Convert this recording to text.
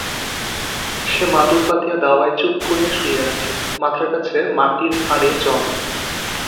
সে মাদুর পাতিয়া দাওয়ায় চুপ করিয়া শুইয়া আছে, মাথার কাছে মাটির ভাঁড়ে জল।